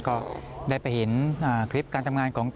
ก็ได้ไปเห็นคลิปการทำงานของ